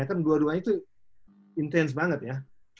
kan dua duanya tuh intense banget ya